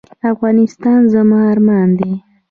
افغانستان زما ارمان دی؟